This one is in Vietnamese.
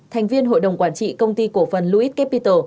thành viên hội đồng quản trị công ty cổ phần louis capital